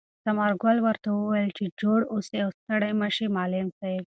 ثمر ګل ورته وویل چې جوړ اوسې او ستړی مه شې معلم صاحب.